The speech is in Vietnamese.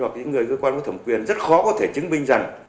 hoặc những người dưới quan của thẩm quyền rất khó có thể chứng minh rằng